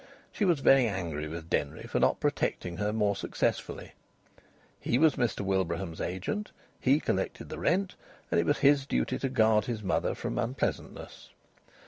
She was very angry with Denry for not protecting her more successfully. He was Mr Wilbraham's agent, he collected the rent, and it was his duty to guard his mother from unpleasantness.